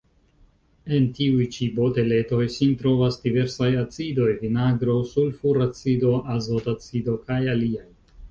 En tiuj ĉi boteletoj sin trovas diversaj acidoj: vinagro, sulfuracido, azotacido kaj aliaj.